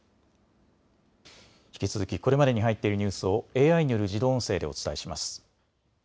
引き続きこれまでに入っているニュースをＡＩによる自動音声でお伝えします。